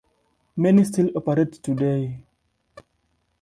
Many still operate today.